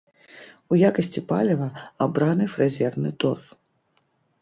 У якасці паліва абраны фрэзерны торф.